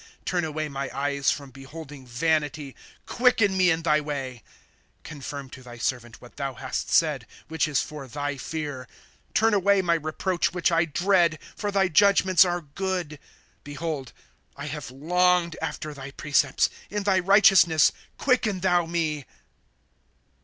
3'^ Turn away my eyes from beholding vanity ; Quicken me in thy way, ^^ Confirm to thy servant what thou hast said, Which is for thy fear. ^^ Turn away my reproach which I dread ; For thy judgments are good, *" Behold, I have longed after thy precepts ; In thy righteousness quicken thou me.